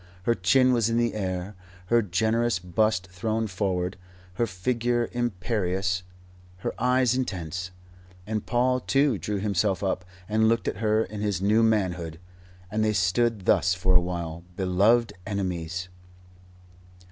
Her chin was in the air, her generous bust thrown forward, her figure imperious, her eyes intense. And Paul too drew himself up and looked at her in his new manhood. And they stood thus for a while, beloved enemies.